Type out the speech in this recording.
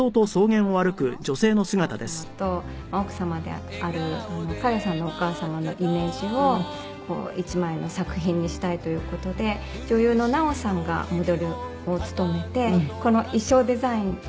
拓郎さんのお母様と奥様である佳代さんのお母様のイメージを一枚の作品にしたいという事で女優の奈緒さんがモデルを務めてこの衣装デザインもさせていただいてます。